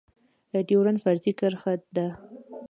ډيورنډ فرضي کرښه ده